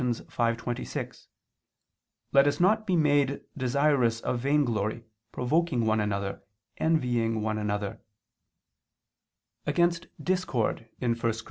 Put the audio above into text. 5:26): "Let us not be made desirous of vainglory, provoking one another, envying one another"; against discord (1 Cor.